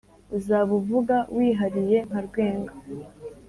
Uzaba uvuga wihariye nka Rwenga.